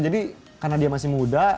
jadi karena dia masih muda